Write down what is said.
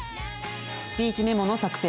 「スピーチメモの作成」。